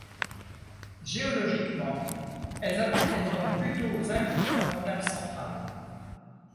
Géologiquement, elles appartiennent donc plutôt aux Alpes orientales centrales.